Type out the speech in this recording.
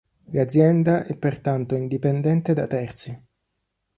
L’azienda è pertanto indipendente da terzi.